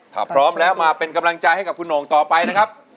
ถ้าพร้อมแล้วมาเป็นกำลังใจให้กับคุณโหงต่อไปนะครับ